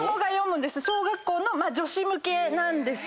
小学校の女子向けですけど。